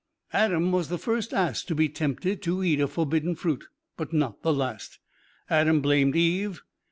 Adam was the first ass to be tempted to eat of forbidden fruit, but not the last. Adam blamed Eve.